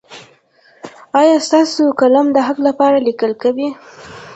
ایا ستاسو قلم د حق لپاره لیکل کوي؟